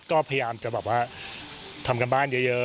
ก็พยายามจะแบบว่าทำการบ้านเยอะ